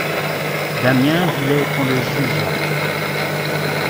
Damiens voulait qu'on le jugeât.